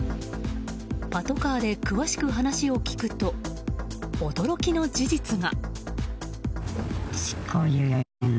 パトカーで詳しく話を聞くと驚きの事実が。